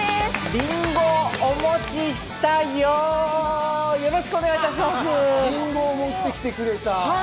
りんごを持ってきてくれた。